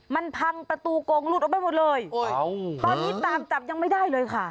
มันพังประตูกงหลุดออกไปหมดเลยตอนนี้ตามจับยังไม่ได้เลยค่ะ